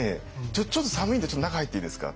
「ちょっと寒いんで中入っていいですか？」。